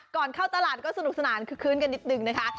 เข้าตลาดก็สนุกสนานคือคืนกันนิดนึงนะคะ